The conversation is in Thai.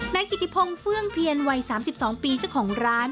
นายกิติพงศ์เฟื่องเพียรวัย๓๒ปีเจ้าของร้าน